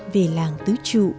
về làng tứ trụ